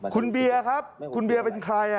คุณเบียร์ครับคุณเบียร์เป็นใคร